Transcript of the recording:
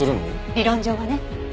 理論上はね。